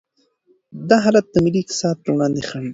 دا حالت د ملي اقتصاد پر وړاندې خنډ دی.